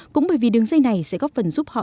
cũng bởi vì đường dây này sẽ góp phần giúp họ